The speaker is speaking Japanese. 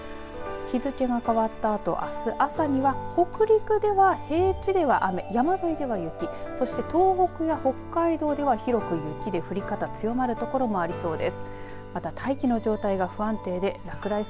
日付が変わったあと、あす朝には北陸では平地では雨、山沿いでは雪そして東北や北海道では、広く雪で降り方強まる所もありそうです。